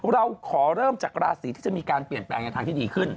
เราขอเริ่มจากราศีที่จะมีการเปลี่ยนแปลงในทางที่ดีขึ้น